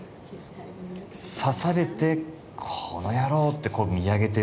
刺されて「コノヤロー！」って見上げてる。